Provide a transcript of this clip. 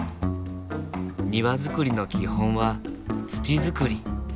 庭づくりの基本は土づくり。